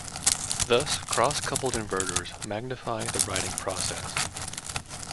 Thus, cross-coupled inverters magnify the writing process.